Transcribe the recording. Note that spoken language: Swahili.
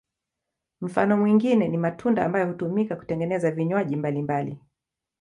Mfano mwingine ni matunda ambayo hutumika kutengeneza vinywaji mbalimbali.